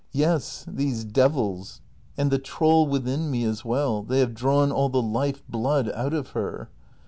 Yes, these devils! And the troll within me as well — they have drawn all the life blood out of her.